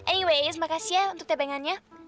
anyways makasih ya untuk tebengannya